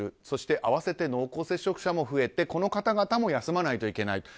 そして、合わせて濃厚接触者も増えてこの方々も休まないといけない